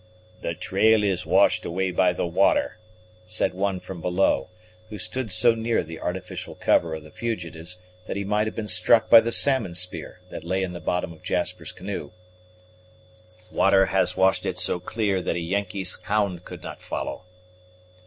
"The trail is washed away by the water!" said one from below, who stood so near the artificial cover of the fugitives, that he might have been struck by the salmon spear that lay in the bottom of Jasper's canoe. "Water has washed it so clear that a Yengeese hound could not follow."